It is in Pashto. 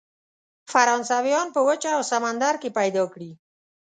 فرانسویان په وچه او سمندر کې پیدا کړي.